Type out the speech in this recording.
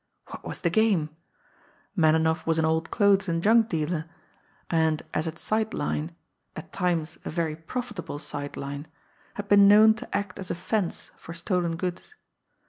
What was the game? Melinoff was an old clothes and junk dealer, and, as a side line, at times a very profitable side line, had been known to act as a "fence" for stolen goods.